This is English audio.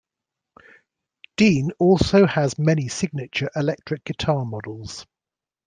Dean also has many signature electric guitar models.